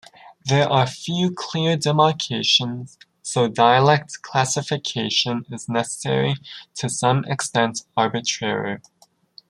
There are few clear demarcations, so dialect classification is necessarily to some extent arbitrary.